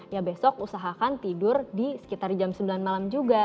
ya besok usahakan tidur di sekitar jam sembilan malam juga